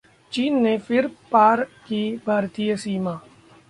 चीन ने फिर पार की भारतीय सीमा